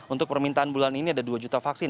untuk permintaan bulan ini ada dua juta vaksin